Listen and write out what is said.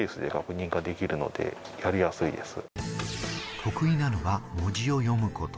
得意なのは文字を読むこと。